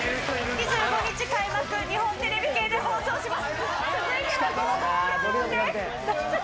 ２５日開幕、日本テレビ系で放送します。